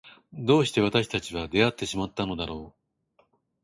どうして私たちは出会ってしまったのだろう。